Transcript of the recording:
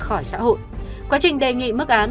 khỏi xã hội quá trình đề nghị mức án